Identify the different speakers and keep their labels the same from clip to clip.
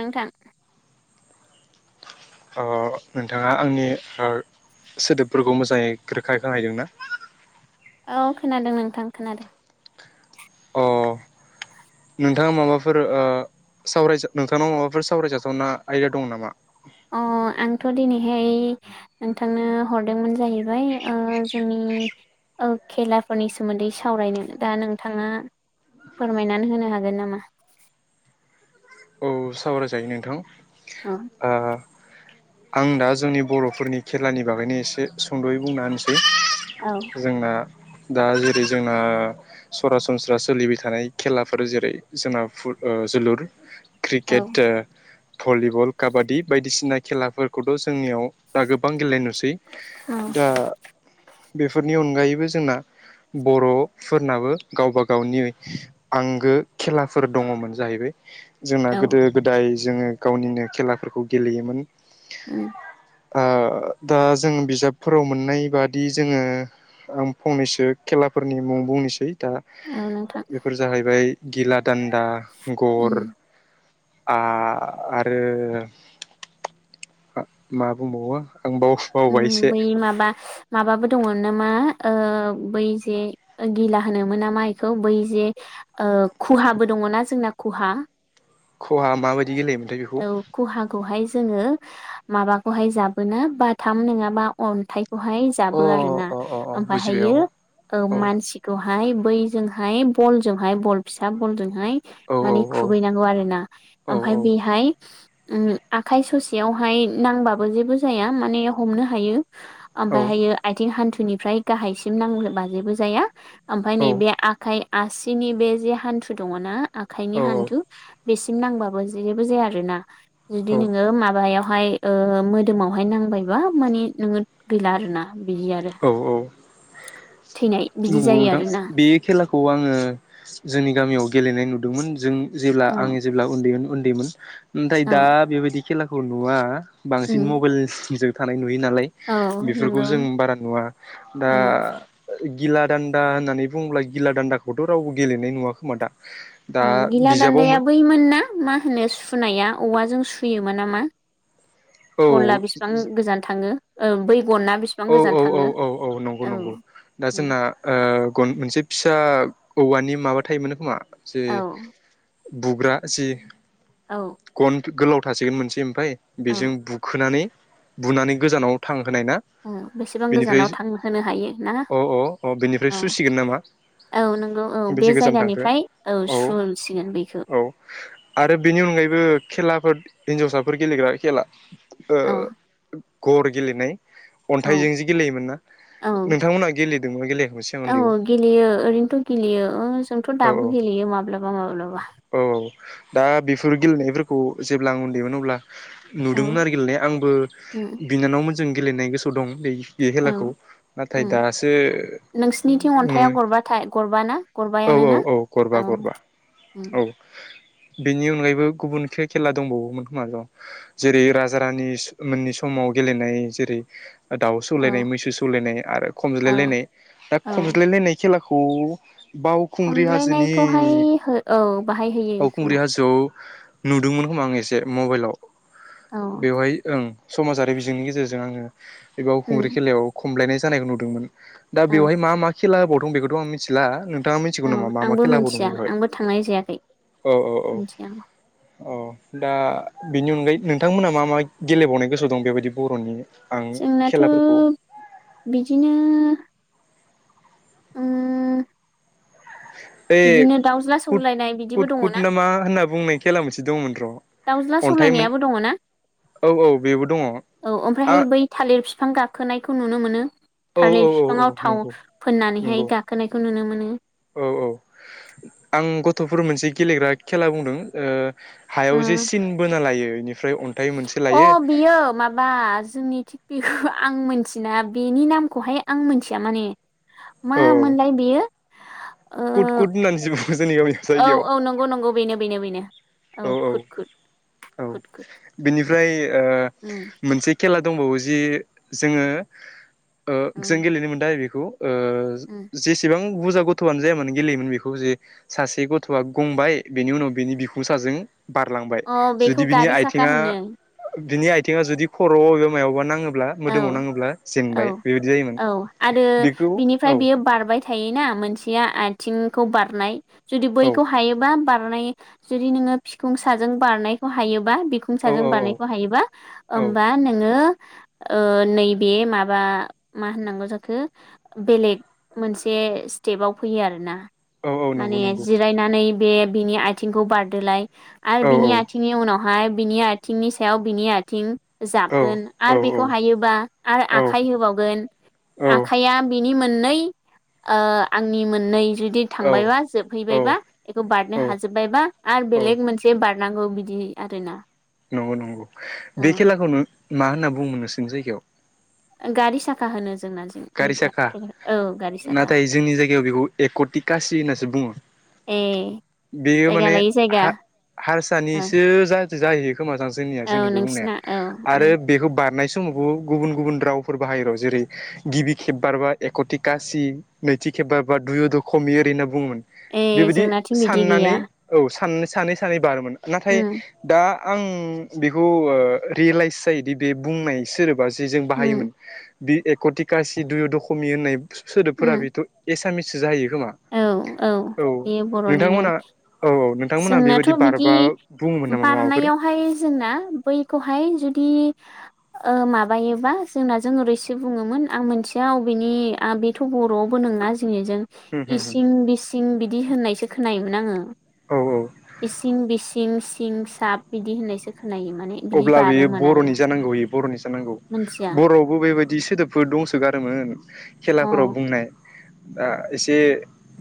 Speaker 1: नोंथां।
Speaker 2: अ नोंथाङा आंनि हार सोदोबफोरखौ मोजाङै रोखा खा खोनाहैदोंना
Speaker 1: औ खोनादों नोंथां खोनादों
Speaker 2: अ नोंथाङा माबाफोर अ सावराय नोंथांनाव माबाफोर सावरायजाथावना आयदा दं नामा?
Speaker 1: अ आंथ' दिनैहाय नोंथांनो हरदोंमोन जाहै फ्राय अ जोंनि औ खेलाफोरनि सोमोन्दै सावरायनो दा नोंथाङा फोरमायनानै होनो हागोन नामा?
Speaker 2: औ सावराय जायो नोंथां
Speaker 1: औ
Speaker 2: आ आं दा जोंनि बर'फोरनि खेलानि बागैनो एसे सुंद'यै बुंना होनसै
Speaker 1: औ
Speaker 2: [unintelligible] जोंना दा जेरै जोंना सरासनस्रा सोलिबाय थानाय खेलाफोर जेरै जोंना फु अ जोलुर
Speaker 1: औ
Speaker 2: क्रिकेट ओ भलिबल काबादि बायदिसिना खेलाफोरखौथ' जोंनियाव दा गोबां गेले नु सै
Speaker 1: औ
Speaker 2: दा बेफोरनि अनगायैबो जोंना बर'फोरनाबो गावबा गावनि आंगो खेलाफोर दङ'मोन जाहैबाय जोंना
Speaker 1: औ
Speaker 2: गोदो गोदाय जोङो गावनिनो खेलाफोरखौ गेलेयोमोन
Speaker 1: उम
Speaker 2: आ दा जों बिजाबफोराव मोननाय बादि जोङो आं फंनैसो खेलाफोरनि मुं बुंनोसै दा
Speaker 1: औ नोंथां
Speaker 2: बेफोर जाहैबाय गिलादान्दा
Speaker 1: उम
Speaker 2: गर आ आरो मा बुंबावो आं बाव बावबाय
Speaker 1: ओम
Speaker 2: एसे
Speaker 1: बै माबा माबाबो दङ' नामा ओ बै जे गिला होनोमोन नामा बेखौ बै जे ओ खहाबो दङ'ना जोंना खहा
Speaker 2: खहा माबायदि गेलेयोमोनथाय बेखौ?
Speaker 1: खुहाखौहाय जोङो माबाखौहाय जाबोना बाथाम नङाबा अन्थाइ हाय
Speaker 2: अ
Speaker 1: जाबो आरोना
Speaker 2: अ अ अ बुजिबाय औ
Speaker 1: ओमबाहायो ओ
Speaker 2: औ
Speaker 1: मानसिखौ हाय बैजोंहाय बल जजोंहाय बल फिसा बलजों हाय
Speaker 2: औ
Speaker 1: मानि खुबैनांगौ आरोना
Speaker 2: औ
Speaker 1: ओमफ्राय
Speaker 2: औ
Speaker 1: बे हाय उम आखाइ ससेयावहाय नांबाबो जेबो जाया माने हमनो हायो
Speaker 2: औ
Speaker 1: ओमबाहायो आइथिं हान्थुनिफ्राय गाहायसिम नांबा जेबो जाया ओमफाय नैबे आखाइ आसिनि बे जे हान्थु दङना आखाइनि
Speaker 2: औ
Speaker 1: हान्थु बेसिम नांबाबो जेबो जाया आरो ना
Speaker 2: औ
Speaker 1: जुदि नोङो माबायाव हाय ओ मोदोमावहाय नांबायबा माने नोङो गैला आरोना बिदि आरो
Speaker 2: औ औ
Speaker 1: थैनाय बिदि
Speaker 2: नंगौ
Speaker 1: जायो
Speaker 2: नोंथां
Speaker 1: आरोना
Speaker 2: बे खेलाखौ आङो जोंनि गामियाव गे लेनाय नुदोंमोन जों जे
Speaker 1: औ
Speaker 2: आङो जेब्ला उन्दैमोन उन्दैमोन नाथाय दा
Speaker 1: औ
Speaker 2: बेबायदि खेलाखौ नुवा बांसिन
Speaker 1: उम
Speaker 2: मबाइलजों थानाय नुयो नालाय
Speaker 1: औ
Speaker 2: बेफोरखौ
Speaker 1: नंगौ
Speaker 2: जों बारा नुवा दा
Speaker 1: औ
Speaker 2: गिला दान्दा होननानै बुङोब्ला गिला दान्दाखौथ' रावबो गेलेनाय नुवा खोमा दा दा
Speaker 1: औ गिला दान्दाया
Speaker 2: बिजाबावमोन
Speaker 1: बैमोन ना मा होनो सु सुनाया औवाजों सुयोमोन नामा
Speaker 2: औ
Speaker 1: बनला बेसिबां गोजान थाङो औ बैगनना बेसिबां
Speaker 2: औ औ
Speaker 1: गोजान
Speaker 2: औ
Speaker 1: थाङो
Speaker 2: औ औ नंगौ
Speaker 1: औ
Speaker 2: नंगौ दा जोंना ओ गन मोनसे फिसा औवानि माबा थायोमोन खोमा जि
Speaker 1: औ
Speaker 2: बुग्रा जि
Speaker 1: औ
Speaker 2: गन गोलाव थासिगोन मोनसे ओमफ्राय
Speaker 1: औ
Speaker 2: बेजों बुखोनानै बुनानै गोजानाव थां होनाय ना
Speaker 1: औ बेसेबां
Speaker 2: बिनिफ्राय
Speaker 1: गोजानाव थांहोनो हायो ना
Speaker 2: अ अ अ बिनिफ्राय
Speaker 1: औ
Speaker 2: सुसिगोन नामा
Speaker 1: औ नंगौ औ बे
Speaker 2: बेसे गोजान थांखो
Speaker 1: जायगानिफ्राय
Speaker 2: औ
Speaker 1: सुसिगोन बेखौ
Speaker 2: औ आरो बेनि उन बेबो खेलाफोर हिन्जावसाफोर गेलेग्रा खेला ओ
Speaker 1: औ
Speaker 2: गर गेलेनाय।
Speaker 1: औ
Speaker 2: अन्थाइजों जि गेलेयोमोन ना
Speaker 1: औ
Speaker 2: नोंथांमोनहा गेलेदोंमोन गेलेयाखैमोन सिगां
Speaker 1: औ
Speaker 2: उन्दैयाव
Speaker 1: गेलेयो ओरैनोथ' गेलेयो ओ जोंथ'
Speaker 2: औ औ
Speaker 1: दाबो गेलेयो माब्लाबा माब्लाबा।
Speaker 2: औ दा बेफोर गेलेनायफोरखौ जेब्ला आं उन्दैमोन अब्ला
Speaker 1: औ
Speaker 2: नुदोंमोन आरो गेलेनाय आंबो
Speaker 1: उम
Speaker 2: बिनानावमोन जों गेलेनाय गोसो दायो ए खेलाखौ
Speaker 1: औ
Speaker 2: नाथाय
Speaker 1: उम
Speaker 2: दासो
Speaker 1: नोंसिनिथिं
Speaker 2: नु
Speaker 1: अन्थाइआ गरबाथाय गरबाना
Speaker 2: औ
Speaker 1: गरबायानो
Speaker 2: औ
Speaker 1: ना
Speaker 2: औ गरबा
Speaker 1: औ
Speaker 2: गरबा
Speaker 1: उम
Speaker 2: औ।
Speaker 1: [inaudible]
Speaker 2: बेनि अनगायैबो गुबुन खे-खेला दंबावोमोन खोमा र' जेरै राजा रानि मोननि समाव गेलेनाय जेरै दाउ
Speaker 1: औ
Speaker 2: सौलायनाय, मैसो सौलायनाय, आरो
Speaker 1: औ
Speaker 2: खमज्लायलायनाय दा
Speaker 1: औ
Speaker 2: खमज्लायलायनाय खेला खौ बावखुंग्रि हाजोनि
Speaker 1: खमज्लायनायखौहाय हो औ बाहाय होयो
Speaker 2: बावखुंग्रि
Speaker 1: खोमा
Speaker 2: हाजोआव नुदोंमोन खोमा आं एसे मबाइलाव
Speaker 1: औ
Speaker 2: बेवहाय ओं। समाजारि बिजोंनि गेजेरजों आङो बे बावखुंग्रि
Speaker 1: उम
Speaker 2: खेलायाव खमलायनाय जानायखौ नुदोंमोन। दा
Speaker 1: औ
Speaker 2: बेवहाय मा मा खेला होबावदों बेखौथ' आं मिथिला नों थाङा मिथिगौ
Speaker 1: औ
Speaker 2: नामा मा मा
Speaker 1: आंबो
Speaker 2: खेला
Speaker 1: मोनथिया
Speaker 2: होबावदोंमोन बेवहाय?
Speaker 1: आंबो थांनाय जायाखै
Speaker 2: औ औ औ।
Speaker 1: मिथिया
Speaker 2: अ दा बेनि अनगायै नोंथांमोना मा मा गेलेबावनाय गोसोयाव दं बेबायदि बर'नि आं
Speaker 1: जोंनाथ'
Speaker 2: खेलाफोरखौ
Speaker 1: बिदिनो ओं
Speaker 2: ए कुट
Speaker 1: सौलायनाय बिदिबो
Speaker 2: कुट
Speaker 1: दङ
Speaker 2: कुट ना मा होनना बुंनाय खेला मोनसे दंमोन र'
Speaker 1: दाउज्ला
Speaker 2: अन्थाइ मोन
Speaker 1: सौलायनायाबो दङ' ना?
Speaker 2: औ औ बेबो दङ
Speaker 1: औ
Speaker 2: आ
Speaker 1: ओमफ्रायहाय बै थालिर फिफां गाखोनायखौ नुनो मोनो।
Speaker 2: औ औ
Speaker 1: थालिर
Speaker 2: औ औ
Speaker 1: फिफाङाव थाव
Speaker 2: नंगौ नंगौ
Speaker 1: फोननानैहाय गाखोनायखौ नुनो मोनो।
Speaker 2: औ औ आं ग थ'फोर मोनसे गेलेग्रा खेला बुंदों ओ हायाव जे
Speaker 1: ओ
Speaker 2: सिन बोना लायो बेनिफ्राय अन्थाइ मोनसे लायो
Speaker 1: अ' बियो माबा जोंनिथिं [unintelligible] आं मिथिना बेनि नामखौहाय आं मोनथिया माने मा मोनलाय बेयो? ओ
Speaker 2: कुट कुट होननानै जि बु
Speaker 1: औ औ नंगौ नंगौ बेनो बेनो बेनो औ खुद खुद खुद खुद।
Speaker 2: निफ्राय
Speaker 1: उम
Speaker 2: मोनसे खेला दंबावो जि जोङो ओ
Speaker 1: औ
Speaker 2: जों गेलेनो मोनदो आरो बेखौ ओ
Speaker 1: उम
Speaker 2: जेसेबां बुरजा गथ'आनो जायामानो गेलेयोमोन बेखौ जे सासे गथ'आ गंबाय बेनि उनाव बिनि बिखुं साजों बारलांबाय
Speaker 1: अ बेखौ
Speaker 2: जुदि बिनि
Speaker 1: गारि साखा
Speaker 2: आइथिङा
Speaker 1: होनो
Speaker 2: बिनि आयथिङा जुदि खर'आव एबा मायावबा नाङो
Speaker 1: औ औ
Speaker 2: जायोमोन
Speaker 1: औ आरो
Speaker 2: बेखौ औ
Speaker 1: बिनिफ्राय बियो बारबाय थायोना मोनसेया आथिंखौ बारनाय जुदि
Speaker 2: औ
Speaker 1: बैखौ हायोबा बार नाय जुदि नोङो बिखुं साजों बारनायखौ हायोबा बिखुं साजों
Speaker 2: औ
Speaker 1: बारनायखौ हायोबा
Speaker 2: औ
Speaker 1: ओमबा नोङो ओ नैबे माबा मा होननांगौ जाखो बेलेग मोनसे स्टेपाव फैयो आरोना
Speaker 2: औ औ नंगौ
Speaker 1: माने
Speaker 2: नंगौ
Speaker 1: जिरायनानै बे बिनि आयथिंखौ बारदोलाय आरो
Speaker 2: औ
Speaker 1: बिनि
Speaker 2: औ
Speaker 1: आथिंनि उनाव हाय बिनि आथिंनि सायाव बिनि आथिं
Speaker 2: औ
Speaker 1: जाबगोन आरो बि
Speaker 2: औ
Speaker 1: खौ हायोबा आरो आखाइ होबावगोन आखाया बि नि मोननै ओ आंनि मोननै जुदि
Speaker 2: औ
Speaker 1: थांबायबा जोबहैबायबा
Speaker 2: औ
Speaker 1: बेखौ बारनो हाजोबबायबा आरो
Speaker 2: औ
Speaker 1: बेलेग मोनसे बार नांगौ बिदि आरोना।
Speaker 2: नंगौ नंगौ
Speaker 1: औ
Speaker 2: बे खेलाखौ नो मा होनना बुङो नोंसिनि जायगायाव?
Speaker 1: गारि साखा होनो
Speaker 2: गारि साखा
Speaker 1: [unintelligible] औ गारि साखा।
Speaker 2: नाथाय जोंनि जायगायाव बेखौ एक'टि कासि होननासो बुङो
Speaker 1: ए
Speaker 2: बेयो
Speaker 1: जायगा
Speaker 2: माने
Speaker 1: लायै जायगा।
Speaker 2: हा
Speaker 1: ओं
Speaker 2: हारसानिसो जाज-जाहैयो खोमादां जोंनिया जोंनि
Speaker 1: औ
Speaker 2: बे बुंनाया
Speaker 1: नोंसिना औ उम
Speaker 2: आरो बेखौ बारनाय समावबो गुबुन गुबुन रावफोर बाहायो र' जेरै गिबि खेब बारबा एक'थि गासि नैथि खेब बारबा दुइय' द' खमि ओरैनो बुङोमोन
Speaker 1: ए
Speaker 2: बेबायदि
Speaker 1: जोंनाथिं बिदि
Speaker 2: साननानै
Speaker 1: गैया
Speaker 2: औ सानै सानै बारोमोन। नाथाय
Speaker 1: उम
Speaker 2: दा आं बेखौ रियेलाइस जायोदि बे बुंनाय सोदोब जों जि
Speaker 1: उम
Speaker 2: बाहोमोन बि एक टिका सिदय दशमि होननाय
Speaker 1: उम
Speaker 2: सो-सोदोबफोरा बेथ' एस सामिससो जायो ।
Speaker 1: औ औ बेयो बर'नि नङा।
Speaker 2: नोंथांमोना औ औ नोंथांमोनहा
Speaker 1: जोंनाथ'
Speaker 2: बेबायदि
Speaker 1: बिदि
Speaker 2: बारबा बुङोमोन नामा माबाफोर?
Speaker 1: बारनायावहाय जोंना बैखौहाय जुदि [inaudible] ओ माबायोबा जोंना जों ओरैसो बुङोमोन आं मोनथिया अबेनि आ बेथ' बर'आवबो नोङा जोंनि जों
Speaker 2: होम होम होम
Speaker 1: इसिं बिसिं बिदि होननायसो खोनायोमोन आङो
Speaker 2: औ औ
Speaker 1: इसिं बिसिं सिं साब बिदि होननायसो - -
Speaker 2: अब्ला बेयो बर'नि जानांगौ बेयो बर'नि जानांगौ
Speaker 1: मोनथिया
Speaker 2: बर'आवबो बेबायदि सोदोबफोर दंसोगारोमोन
Speaker 1: अ
Speaker 2: खेलाफोराव बुंनाय दा एसे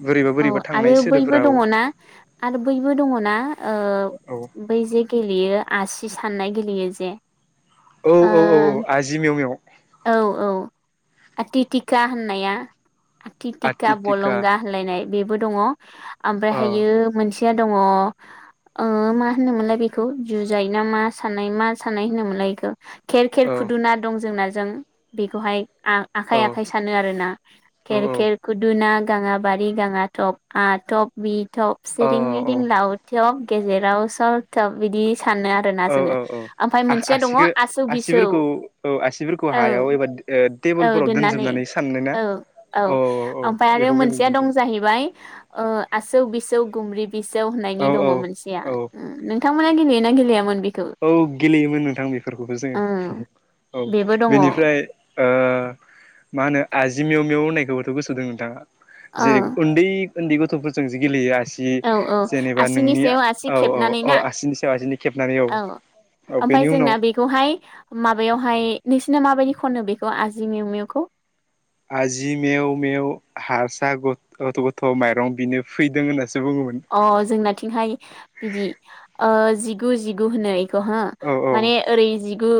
Speaker 2: बोरैबा
Speaker 1: औ
Speaker 2: बोरैबा थांनाय
Speaker 1: आरो बैबो
Speaker 2: सोदोबफोराव
Speaker 1: दङना आरो बैबो दङना ओ
Speaker 2: औ
Speaker 1: बै जे गेलेयो आसि साननाय गेलेयो जे।
Speaker 2: औ औ औ आजि मेव मेव
Speaker 1: ओ औ औ। आथिथिका होननाया आथिथिका बलंगा होनलायनाय बेबो दङ
Speaker 2: औ
Speaker 1: ओमफ्रायहायो मोनसेया दङ ओ मा होनोमोनलाय बेखौ जुजायना मा साननाय मा साननाय होनो मोनलाय बेखौ? खेर खेर
Speaker 2: औ
Speaker 1: खुदुना दंजों नाजों बेखौहाय आ
Speaker 2: औ
Speaker 1: आखाइ आखाइ सानो आरो ना
Speaker 2: औ
Speaker 1: खेर खेर खुदुना गाङाबारि दाङा टप आ टप बि टप सिरिं मिरिं
Speaker 2: औ
Speaker 1: लावथ'फ गेजेराव सलथब बिदि सानो आरोना
Speaker 2: औ
Speaker 1: जोङो
Speaker 2: औ औ
Speaker 1: आमफ्राय मोनसेया दङ
Speaker 2: आसिखौ
Speaker 1: आसौ बिसौ
Speaker 2: आसिफोरखौ औ आसिफोरखौ
Speaker 1: औ।
Speaker 2: हायाव एबा
Speaker 1: औ
Speaker 2: टेबोलफोराव
Speaker 1: दोननानै
Speaker 2: दोनजोबनानै साननो ना
Speaker 1: औ औ
Speaker 2: औ
Speaker 1: ओमफ्राय आरो
Speaker 2: बेखौ गेलेनो
Speaker 1: मोनसेया
Speaker 2: मोनदों
Speaker 1: दं जाहैबाय ओ आसौ बिसौ गुमब्रि बिसौ होननायनि
Speaker 2: औ
Speaker 1: दङ
Speaker 2: औ
Speaker 1: मोनसेया
Speaker 2: औ
Speaker 1: नोंथां मोना गेलेना गेलेयामोन बि
Speaker 2: औ गेलेयोमोन नोंथां बेफोरखौबो
Speaker 1: ओ
Speaker 2: जोङो औ
Speaker 1: बेबो दङ ओ
Speaker 2: बेनिफ्राय ओ मा होनो आजिमेव मेव होननायखौबोथ' गोसो दं नोंथाङा। जेरै उन्दै उन्दै गथ'फोरजोंसो गेलेयो आसि
Speaker 1: औ औ
Speaker 2: जेनेबा
Speaker 1: आसिनि
Speaker 2: नोंनि
Speaker 1: सायाव आसि
Speaker 2: औ औ
Speaker 1: खेबनानै ना
Speaker 2: औ आसिनि सायाव आसिनि खेबनानै औ। औ
Speaker 1: ओमफ्राय
Speaker 2: बेनि उनाव
Speaker 1: जोंना बेखौहाय माबायावहाय नोंसिना माबायदि खनो बेखौ आजि मिउमिउखौ?
Speaker 2: आजि मेव मेव हारसा गथ' गथ' माइरं बिनो फैदों होन्नानै
Speaker 1: अ जोंनाथिंहाय बिदि ओ जिगु जिगु होनै हो
Speaker 2: औ औ
Speaker 1: माने ओरै जिगु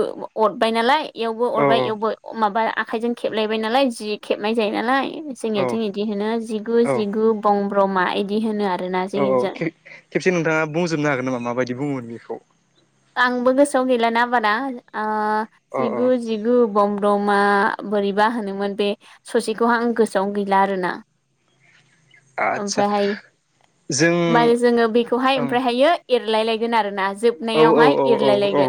Speaker 1: अरबाय नालाय इवबो
Speaker 2: औ
Speaker 1: अरबाय इवबो अ माबा आखाइजों खेबलायबाय नालाय जि खेबनाय जायो नालाय
Speaker 2: औ
Speaker 1: जोंनिथिं बिदि होनो जिगु
Speaker 2: औ
Speaker 1: जिगु बं ब्रमा इदि होनो आरो।
Speaker 2: औ औ खे-खेबसे नोंथाङा बुंजोबनो हागोन नामा माबायदि बुङोमोन बेखौ?
Speaker 1: आंबो गोसोआव गैलाना बारा ओ
Speaker 2: अ अ
Speaker 1: जिगु जिगु बम ब्रमा बोरैबा होनोमोन बे ससेखौहां आं गोसोआव गैला आरोना।
Speaker 2: आदसा
Speaker 1: ओमफ्रायहाय
Speaker 2: जों
Speaker 1: मारै जोङो बेखौहाय
Speaker 2: ओं
Speaker 1: ओमफ्रायहायो एरलायलायगोन आरोना।
Speaker 2: औ औ
Speaker 1: जोबनायावहाय
Speaker 2: औ औ औ
Speaker 1: एरलायलायगोन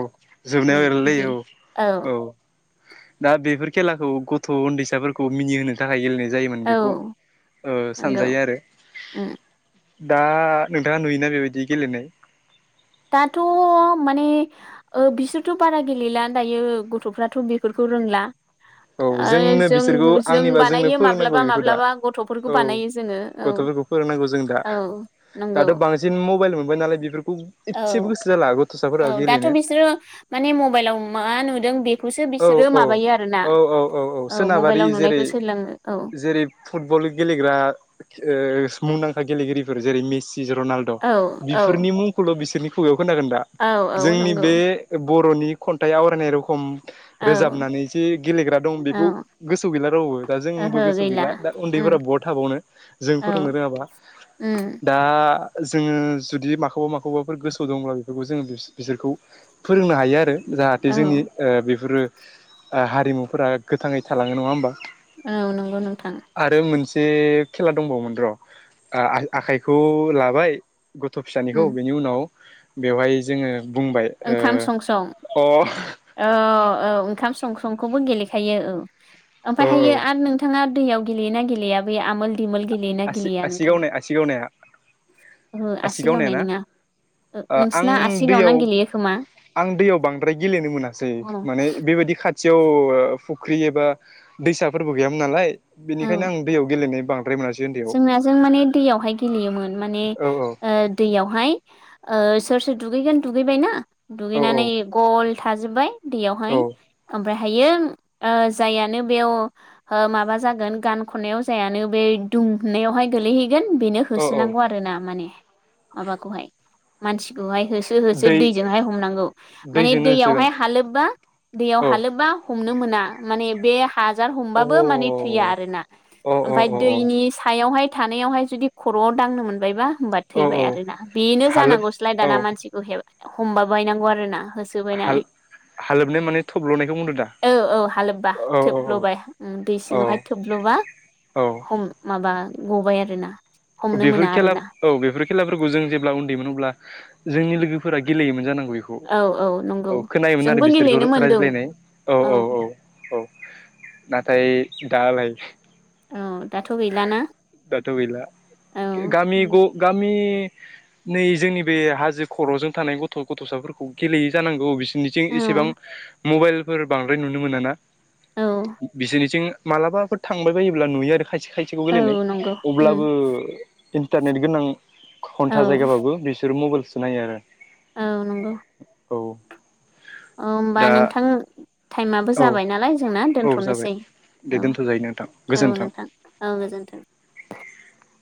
Speaker 2: जोबनायाव
Speaker 1: उम बिदि
Speaker 2: ऐरलायलायो औ औ । दा बेफोर खेलाखौ गथ' उन्दैसाफोरखौ मिनिहोनो थाखाय गेलेनाय जायोमोन
Speaker 1: औ
Speaker 2: बेखौ ओ
Speaker 1: नंगौ
Speaker 2: सानजायो आरो।
Speaker 1: उम
Speaker 2: दा नोंथाङा नुयोना बेबायदि गेलेनाय?
Speaker 1: दाथ' माने ओ बिसोरथ' बारा गेलेला दायो गथ'फ्राथ' बेफोरखौ रोंला।
Speaker 2: औ
Speaker 1: ओ
Speaker 2: जोंनो
Speaker 1: जों
Speaker 2: बिसोरखौ
Speaker 1: जों
Speaker 2: आंनिबा जोंनो
Speaker 1: बानायो
Speaker 2: फोरोंनांगौ
Speaker 1: माब्लाबा
Speaker 2: बेखौ दा
Speaker 1: माब्लाबा गथ'फोरखौ
Speaker 2: औ
Speaker 1: बानायो जोङो। औ
Speaker 2: गथ'फोरखौ फोरोंनांगौ जों दा,
Speaker 1: औ नंगौ
Speaker 2: दाथ' बांसिन मबाइल मोनबाय नालाय बेफोर [unintelligible]
Speaker 1: औ
Speaker 2: इतसेबो गोसो जाला गथ'साफोराबो
Speaker 1: औ दाथ'
Speaker 2: गेलेनो
Speaker 1: बिसोरो माने मबाइलाव मा नुदों बेखौसो
Speaker 2: औ
Speaker 1: बिसोरो
Speaker 2: औ
Speaker 1: माबायो आरोना
Speaker 2: औ औ औ औ सोनाबारि
Speaker 1: मबाइलाव
Speaker 2: जेरै
Speaker 1: नुनायखौ सोलोङो औ
Speaker 2: जेरै फुटबल गेलेग्रा ओ मुंदांखा गेलेगिरि जेरै मेसि, रनाल्द'
Speaker 1: औ औ
Speaker 2: बिफोरनि मुंखौल' बिसोरनि खुगायाव खोनागोन दा,
Speaker 1: औ औ
Speaker 2: जोंनि
Speaker 1: नंगौ
Speaker 2: बे बर'नि खन्थाइ आवरायनाय रखम
Speaker 1: औ
Speaker 2: रोजाबनानैजे गेलेग्रा दं बेखौ
Speaker 1: औ
Speaker 2: गोसोआव गैला रावबो, दा जोंबो गोसोआव गैला, दा उन्दै
Speaker 1: उम
Speaker 2: फोरा बहा थाबावनो जों
Speaker 1: औ
Speaker 2: फोरोंनो रोङाबा,
Speaker 1: उम
Speaker 2: दा जोङो जुदि माखौबा माखौबाफोर गोसोआव दंबा बेफोरखौ जोङो बिसो बिसोरखौ फोरोंनो हायो आरो जाहाथे जोंनि
Speaker 1: औ
Speaker 2: ओ बेफोरो ओ हारिमुफोरा गोथाङै थालाङो नङा होमबा
Speaker 1: औ नंगौ नोंथां
Speaker 2: [unintelligible] खेला दंबावोमोन र' आखाइखौ लाबाय गथ' फिसानिखौ
Speaker 1: उम
Speaker 2: बेनि उनाव बेवहाय जोङो बुंबाय
Speaker 1: ओंखाम सं सं,
Speaker 2: ओ अ औ
Speaker 1: ओऔ ओंखाम संसंखौबो गेलेखायो औ,
Speaker 2: औ
Speaker 1: ओमफायहायो आरो नोंथाङा दैयाव गेलेयोना गेलेया? बेै आमोल दिमोल गेलेयोना
Speaker 2: आसि
Speaker 1: गेलेया
Speaker 2: आसि
Speaker 1: नोंथाङा?
Speaker 2: गावनाय आसि गावनाया
Speaker 1: ओहो आसि
Speaker 2: गावनाया
Speaker 1: गावनाय
Speaker 2: ना
Speaker 1: नोङा, ओ
Speaker 2: आं
Speaker 1: नोंसिना आसि
Speaker 2: दैयाव
Speaker 1: गावना गेलेयो खोमा?
Speaker 2: आं दैयाव बांद्राय गेलेनो मोनासै,
Speaker 1: औ
Speaker 2: माने बेबायदि खाथि खाथियाव फुख्रि एबा दैसाफोरबो गैयामोन नालाय बेनिखायनो आं दैयाव गेलेनाय बांद्राय मोनासै उन्दैयाव
Speaker 1: जोंना जों माने दैयावहाय गेलेयोमोन माने
Speaker 2: औ
Speaker 1: ओ दैयावहाय ओ सोर सोर दुगैगोन दुगैबाय ना,
Speaker 2: औ
Speaker 1: दुगैनानै गल थाजोब्बाय दैयावहाय
Speaker 2: औ
Speaker 1: ओमफ्राय हायो, ओ जायानो बेयाव ओ माबा जागोन गान खननायाव जायानो बे दुं नायावहाय गोलैहैगोन बेनो
Speaker 2: औ औ
Speaker 1: होसोनांगौ आरोना माने माबाखौहाय मानसिखौहाय होसो होसो
Speaker 2: दै
Speaker 1: दैजोंहाय हमनांगौ, माने
Speaker 2: दैजोंनो होसोगोन
Speaker 1: दैयावहाय हालोब्बा, दैयाव
Speaker 2: औ
Speaker 1: हालोब्बा हमनो मोना, माने बे हाजार
Speaker 2: अ
Speaker 1: हमबाबो माने थैया आरोना,
Speaker 2: अ अ
Speaker 1: ओमफाय
Speaker 2: अ अ
Speaker 1: दैनि हायावहाय थानायावहाय जुदि खर'आव दांनो मोनबायबा होनबा
Speaker 2: औ
Speaker 1: थैबाय
Speaker 2: औ
Speaker 1: आरोना, बेनो
Speaker 2: हालोब
Speaker 1: जानांगौस्लाय
Speaker 2: औ
Speaker 1: दाना मानसिखौ हे हमबा बायनांगौ आरोना होसोबायनानै
Speaker 2: हाल-हालोबनाय माने थब्ल'नायखौ बुंदों दा
Speaker 1: औ औ हालोब्बा,
Speaker 2: औ औ
Speaker 1: थोब्ल'बाय उम दै
Speaker 2: औ
Speaker 1: सिङावहाय थोब्ल' [unintelligible]
Speaker 2: औ
Speaker 1: हम माबा गबाय आरोना हमनो
Speaker 2: बेफोर
Speaker 1: मोना
Speaker 2: खेला,
Speaker 1: आरोना
Speaker 2: औ बेफोर खेलाफोरखौ जों जेब्ला उन्दैमोन अब्ला जोंनि लोगोफोरा गेलेयोमोन जानांगौ बैखौ,
Speaker 1: औ नंगौ
Speaker 2: औ खोनायोमोन आरो
Speaker 1: जोंबो
Speaker 2: बिसोरखौ
Speaker 1: गेलेनो मोनदों
Speaker 2: रायज्लायनाय, औ औ औ औ नाथाय दालाय
Speaker 1: औ, दाथ' गैलाना?
Speaker 2: दाथ' गैला
Speaker 1: औ
Speaker 2: गामि ग गामि इ नै जोंनि बे हाजो खर'जों थानाय गथ' गथ'साफोरखौ गेलेयो जानांगौ बि बिसोरनिथिं
Speaker 1: औ
Speaker 2: एसेबां मबाइलफोर बांद्राय नुनो मोनाना
Speaker 1: औ
Speaker 2: बिसोरनिथिं मालाबाफोर थांबाय बायोब्ला नुयो आरो खायसे खायसेखौ
Speaker 1: औ नंगौ उम
Speaker 2: गेलेनायअब्लाबो इन्टारनेट गोनां
Speaker 1: औ
Speaker 2: हन्था जायगाबाबो बिसोरो मबाइलसो नायो आरो
Speaker 1: औ नंगौ
Speaker 2: औ
Speaker 1: औ होमबा
Speaker 2: दा
Speaker 1: नोंथां थाइमाबो
Speaker 2: औ
Speaker 1: जाबाय नालाय जों ना
Speaker 2: औ जाबाय
Speaker 1: दोनथनोसै
Speaker 2: दे
Speaker 1: औ
Speaker 2: दोनथ' जायो नोंथां
Speaker 1: औ
Speaker 2: गोजोन्थों
Speaker 1: नोंथां औ गोजोनथों [unintelligible]